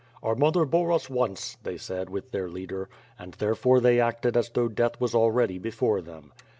"Our mother bore us once," they said, with their leader; and therefore they acted as though death was already before them.